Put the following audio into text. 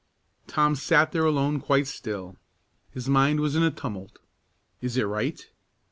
Tom sat there alone quite still. His mind was in a tumult. Is it right?